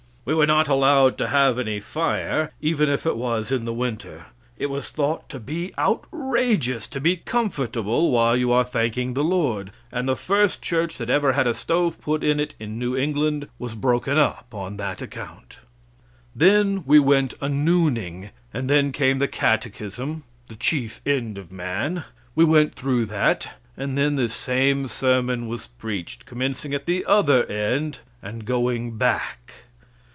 We were not allowed to have any fire, even if it was in the winter. It was thought to be outrageous to be comfortable while you are thanking the Lord, and the first church that ever had a stove put in it in New England was broken up on that account. Then we went a nooning, and then came the catechism, the chief end of man. We went through that; and then this same sermon was preached, commencing at the other end, and going back.